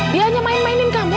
dia hanya main mainin kamu